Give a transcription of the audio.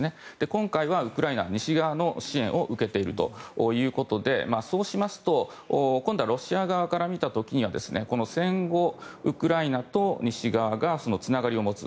今回はウクライナ、西側の支援を受けているということでそうしますと今度はロシア側から見た時には戦後、ウクライナと西側がつながりを持つ。